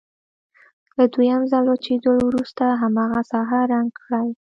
له دویم ځل وچېدلو وروسته هماغه ساحه رنګ کړئ.